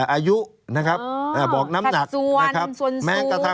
อายุน้ำหนัก